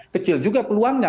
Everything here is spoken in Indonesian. kecil juga peluangnya